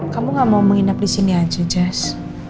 kamu gak mau menginap disini aja jas